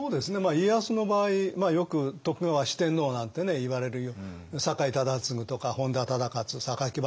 家康の場合よく徳川四天王なんていわれるように酒井忠次とか本多忠勝榊原